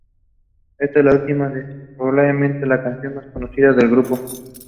His subordinates led several similar raids throughout November.